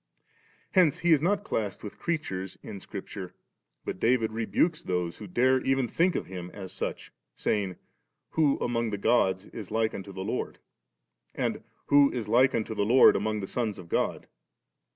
Hence He is not classed with creatures in Scripture, but David rebukes those who dare even to think of Him as such, sayings 'Who among the gods is like unto the Lord^?' and ' Who is like unto the Lord among the sons of God?'